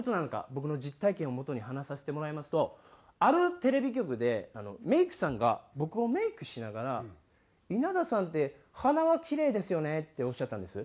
僕の実体験をもとに話させてもらいますとあるテレビ局でメイクさんが僕をメイクしながら「稲田さんって鼻はキレイですよね」っておっしゃったんです。